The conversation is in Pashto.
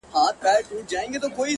جادوگري جادوگر دي اموخته کړم!